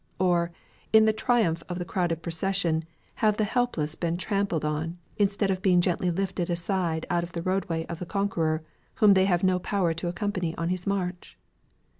or, in the triumph of the crowded procession, have the helpless been trampled on, instead of being gently lifted aside out of the roadway of the conqueror, whom they have no power to accompany on his march?